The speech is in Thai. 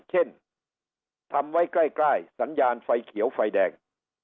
เช่นทำไว้ใกล้สัญญาณไฟเขียวไฟแดง